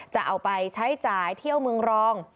จะเอาไปใช้จ่ายเที่ยวเมืองรอง